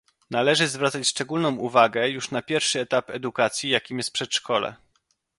Należy zwracać szczególną uwagę już na pierwszy etap edukacji, jakim jest przedszkole